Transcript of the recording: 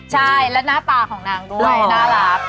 ใช่และหน้าตาของนางด้วยน่ารัก